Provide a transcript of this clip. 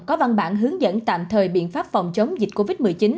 có văn bản hướng dẫn tạm thời biện pháp phòng chống dịch covid một mươi chín